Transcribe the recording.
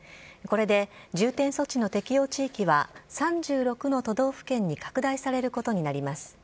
これで重点措置の適用地域は３６の都道府県に拡大されることになります。